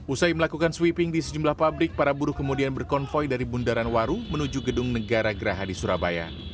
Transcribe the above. usai melakukan sweeping di sejumlah pabrik para buruh kemudian berkonvoy dari bundaran waru menuju gedung negara geraha di surabaya